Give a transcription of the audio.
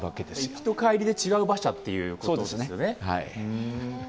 行きと帰りで違う馬車ということですよね。